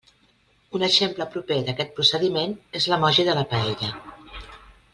Un exemple proper d'aquest procediment és l'emoji de la paella.